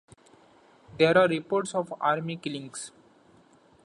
There are reports of Army killings.